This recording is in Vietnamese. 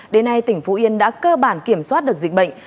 đến nay tỉnh phú yên đã cơ bản kiểm soát được dịch bệnh